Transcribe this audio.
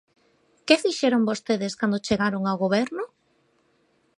¿Que fixeron vostedes cando chegaron ao Goberno?